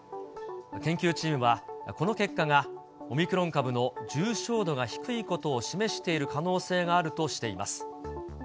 研究チームは、この結果がオミクロン株の重症度が低いことを示している可能性があるとしています。